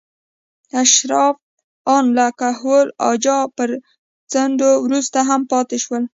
اشراف ان له کهول اجاو پرځېدو وروسته هم پاتې شول.